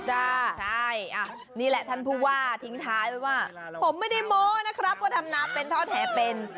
ใช่นี่แหละภูวาทิ้งท้ายถึงว่าผมไม่ได้โม่นะครับก็ทำนะเป็นท่อแถวเป็น